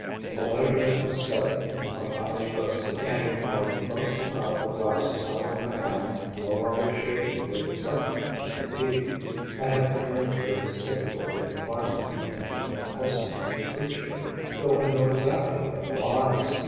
In the leisure of my study, with my eyes rested and with my most powerful glasses held in a hand no longer shaking with excitement and fatigue, I have the very greatest difficulty in finding the infinitesimal creature, though I know exactly where it lies.